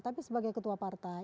tapi sebagai ketua partai